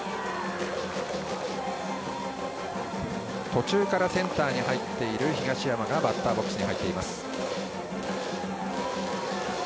途中からセンターに入っている東山がバッターボックス。